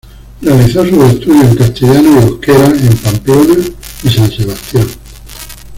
Realizó sus estudios en castellano y euskera en Pamplona y San Sebastián.